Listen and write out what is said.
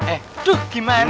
eh tuh gimana sih